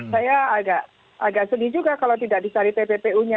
saya agak sedih juga kalau tidak disariki pppu nya